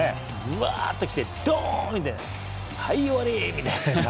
うわーっときて、ドーンではい、終わり！みたいな。